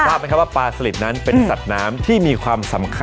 ทราบไหมครับว่าปลาสลิดนั้นเป็นสัตว์น้ำที่มีความสำคัญ